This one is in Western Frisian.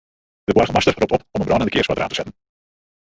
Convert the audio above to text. De boargemaster ropt op om in brânende kears foar it raam te setten.